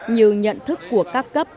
như nhận thức của các cấp